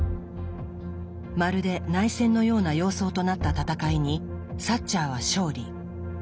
まるで内戦のような様相となった戦いにサッチャーは勝利。